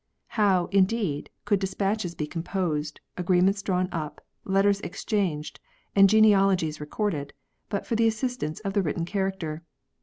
How, indeed, could despatches be composed, agreements drawn up, letters exchanged, and genealogies recorded, but for the assistance of the written character